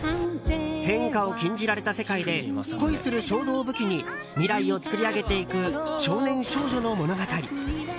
変化を禁じられた世界で恋する衝動を武器に未来を作り上げていく少年少女の物語。